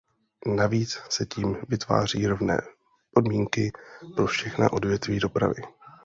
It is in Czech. Navíc se tím vytváří rovné podmínky pro všechna odvětví dopravy.